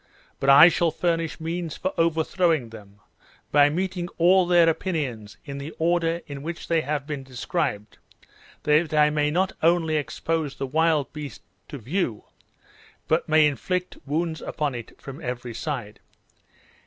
But I shall furnish means for over throwing them, by meeting all their opinions in the order in which they have been described, that I may not only expose the wild beast to view, but may inflict wounds upon it from every side.